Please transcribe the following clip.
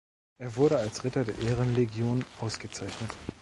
Er wurde als Ritter der Ehrenlegion ausgezeichnet.